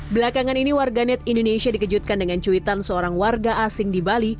belakangan ini warganet indonesia dikejutkan dengan cuitan seorang warga asing di bali